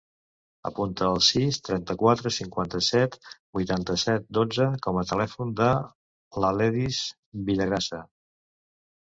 Apunta el sis, trenta-quatre, cinquanta-set, vuitanta-set, dotze com a telèfon de l'Aledis Villagrasa.